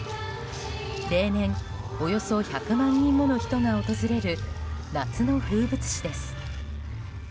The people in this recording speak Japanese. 例年、およそ１００万人もの人が訪れる夏の風物詩です。